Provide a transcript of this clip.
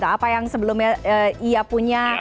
apa yang sebelumnya ia punya